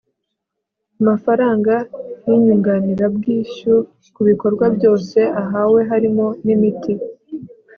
amafaranga y'inyunganirabwishyu ku bikorwa byose ahawe harimo n'imiti